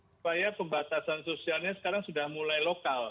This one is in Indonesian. supaya pembatasan sosialnya sekarang sudah mulai lokal